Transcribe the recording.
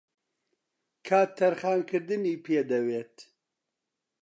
کات تەرخانکردنی پێدەوێت